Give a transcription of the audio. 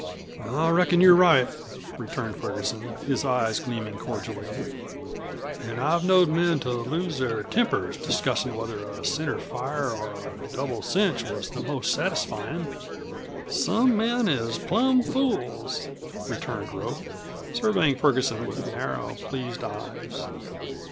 "I reckon you're right," returned Ferguson, his eyes gleaming cordially; "an' I've knowed men to lose their tempers discussin' whether a center fire or a double cinch was the most satisfyin'." "Some men is plum fools," returned Rope, surveying Ferguson with narrow, pleased eyes.